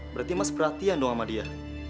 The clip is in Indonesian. berarti mas perhatian doa sama dia